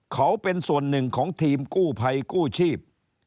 เขาเป็นส่วนหนึ่งของทีมกู้ภัยกู้ชีพ